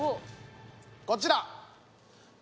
こちら。